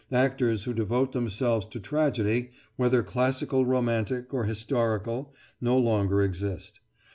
Actors who devote themselves to tragedy, whether classical romantic, or historical, no longer exist.